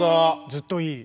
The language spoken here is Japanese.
ずっといい。